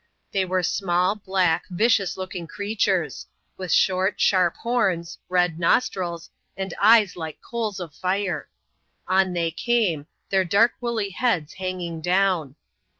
They were small, black, vicious looking creatures; wifli short, sharp horns, red nostrils, and eyes like coals of fire. On they came — their dark woolly heads hanging down.